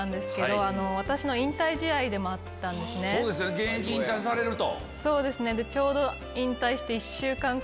現役引退されると。